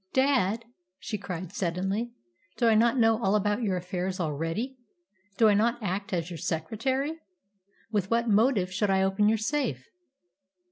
"Dad," she cried suddenly, "do I not know all about your affairs already? Do I not act as your secretary? With what motive should I open your safe?"